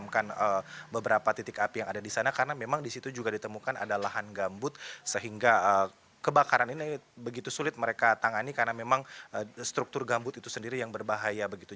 menemukan beberapa titik api yang ada di sana karena memang di situ juga ditemukan ada lahan gambut sehingga kebakaran ini begitu sulit mereka tangani karena memang struktur gambut itu sendiri yang berbahaya begitu